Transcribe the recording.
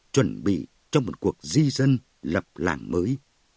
chuẩn bị cho một cuộc di dân lập làng mới